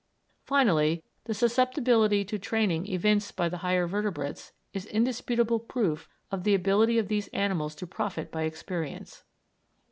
Finally, the susceptibility to training evinced by the higher vertebrates is indisputable proof of the ability of these animals to profit by experience.